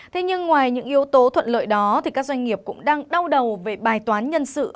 thế nhưng ngoài những yếu tố thuận lợi đó các doanh nghiệp cũng đang đau đầu về bài toán nhân sự